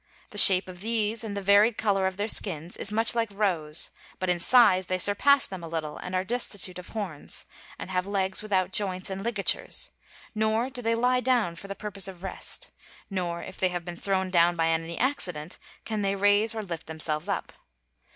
The shape of these, and the varied color of their skins, is much like roes, but in size they surpass them a little and are destitute of horns, and have legs without joints and ligatures; nor do they lie down for the purpose of rest, nor if they have been thrown down by any accident, can they raise or lift themselves up.